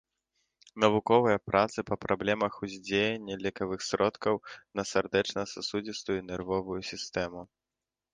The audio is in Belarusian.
Навуковыя працы па праблемах уздзеяння лекавых сродкаў на сардэчна-сасудзістую і нервовую сістэму.